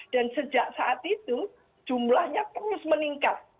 dan sejak saat itu jumlahnya terus meningkat